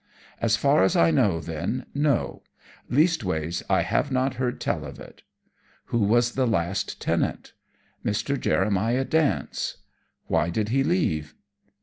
"As far as I know, then, no; leastways, I have not heard tell of it." "Who was the last tenant?" "Mr. Jeremiah Dance." "Why did he leave?"